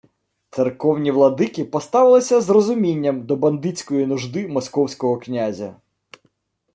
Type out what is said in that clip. Церковні владики поставилися з розумінням до бандитської нужди московського князя